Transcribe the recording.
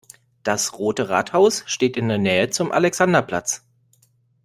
Das Rote Rathaus steht in der Nähe zum Alexanderplatz.